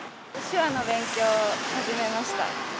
手話の勉強を始めました。